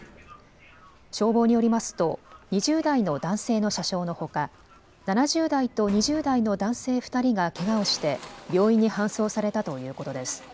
消防によりますと２０代の男性の車掌のほか７０代と２０代の男性２人がけがをして病院に搬送されたということです。